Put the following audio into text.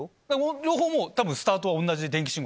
両方もう多分スタートは同じ電気信号。